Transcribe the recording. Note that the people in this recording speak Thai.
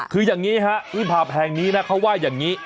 คืออย่างงี้ฮะภาพแห่งนี้เขาว่าอย่างงี้